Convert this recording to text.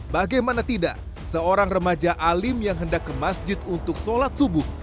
bagaimana tidak seorang remaja alim yang hendak ke masjid untuk sholat subuh